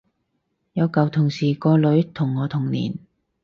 有舊同事個女同我同年